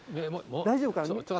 大丈夫かな。